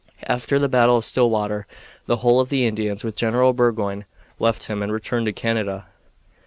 After the battle of Stillwater the whole of the Indians with General Burgoyne left him and returned to Canada.